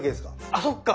あそっか！